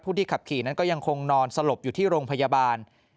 ที่ขับขี่นั้นก็ยังคงนอนสลบอยู่ที่โรงพยาบาล